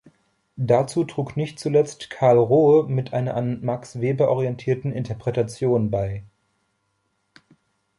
Dazu trug nicht zuletzt Karl Rohe mit einer an Max Weber orientierten Interpretation bei.